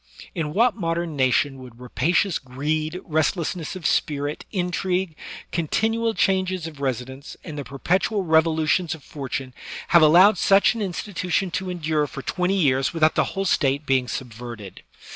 In what mod em nation would rapacious greed, restlessness of spirit, intrigue, continual changes of residence, and the perpetual revolutions of fortune have allowed such an institution to endure for twenty years without the whole State being subverted?